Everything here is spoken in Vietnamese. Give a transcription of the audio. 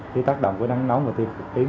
cái tác động của nắng nóng và tiêu cực tím